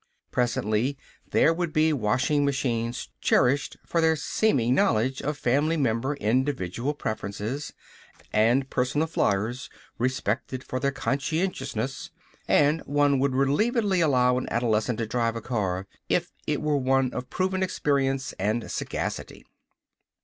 Presently there would be washing machines cherished for their seeming knowledge of family member individual preferences, and personal fliers respected for their conscientiousness, and one would relievedly allow an adolescent to drive a car if it were one of proven experience and sagacity....